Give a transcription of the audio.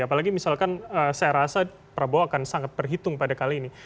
apalagi misalkan saya rasa prabowo akan sangat berhitung pada kali ini